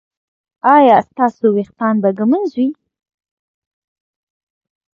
ایا ستاسو ویښتان به ږمنځ وي؟